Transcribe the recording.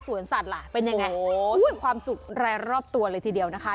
สัตว์ล่ะเป็นยังไงความสุขรายรอบตัวเลยทีเดียวนะคะ